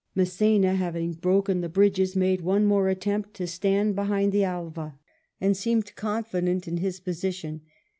Mass^na having broken the bridges made one more attempt to stand behind the Alva, and seemed confident in his position.